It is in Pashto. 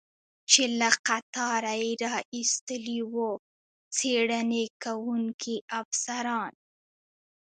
چې له قطاره یې را ایستلی و، څېړنې کوونکي افسران.